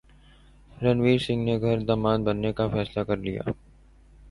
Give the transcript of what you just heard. رنویر سنگھ نے گھر داماد بننے کا فیصلہ کر لیا